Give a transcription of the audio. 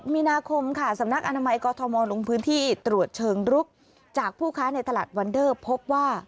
มีนาคมค่ะสำนักอนามัยกอทมลงพื้นที่ตรวจเชิงรุกจากผู้ค้าในตลาดวันเดอร์พบว่า